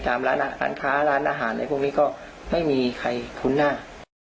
ร้านอาหารค้าร้านอาหารอะไรพวกนี้ก็ไม่มีใครคุ้นหน้า